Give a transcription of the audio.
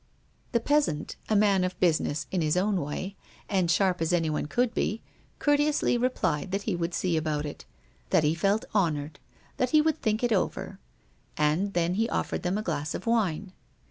The peasant, a man of business in his own way, and sharp as anyone could be, courteously replied that he would see about it, that he felt honored, that he would think it over and then he offered them a glass of wine.